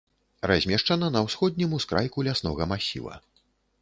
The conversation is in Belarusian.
Размешчана на ўсходнім ускрайку ляснога масіва.